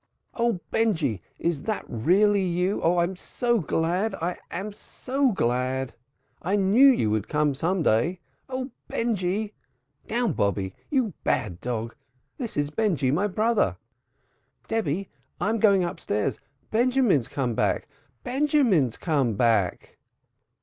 "O Benjy Is it really you? Oh, I am so glad. I am so glad. I knew you would come some day. O Benjy! Bobby, you bad dog, this is Benjy, my brother. Debby, I'm going upstairs. Benjamin's come back. Benjamin's come back."